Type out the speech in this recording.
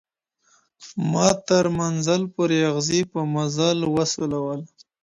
ما تر منزل پوري اغزي په مزل وسولول